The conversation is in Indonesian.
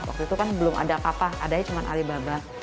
waktu itu kan belum ada apa apa adanya cuma alibaba